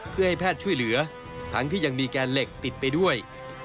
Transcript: เพื่อให้แพทย์ช่วยเหลือทั้งที่ยังมีแกนเหล็กติดไปด้วย